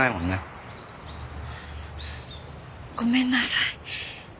ごめんなさい。